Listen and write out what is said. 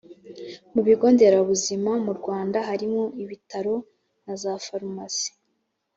mu bigo nderabuzima mu rwanda harimo ibitaro na za farumasi.